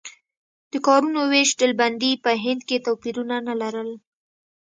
د کارونو وېش ډلبندي په هند کې توپیرونه نه لرل.